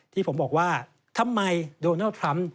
ที่ผมบอกว่าทำไมโดนัลด์ทรัมป์